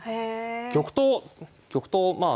玉頭を玉頭まあ